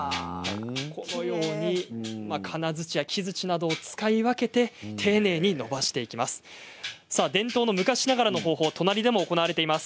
このように、金づちや木づちなどを使い分けて丁寧にのばしていきます。